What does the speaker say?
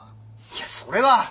いやそれは。